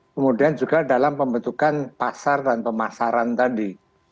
kemudian juga dalam pembentukan pasar dan pemasaran tadi